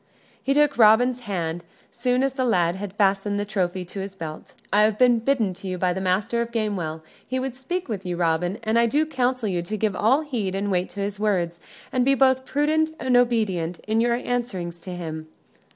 He took Robin's hand, soon as the lad had fastened the trophy in his belt. "I have been bidden to you by the Master of Gamewell. He would speak with you, Robin; and I do counsel you to give all heed and weight to his words, and be both prudent and obedient in your answerings to him."